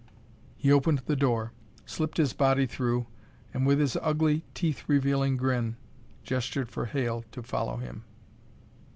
He opened the door, slipped his body through, and, with his ugly, teeth revealing grin, gestured for Hale to follow him.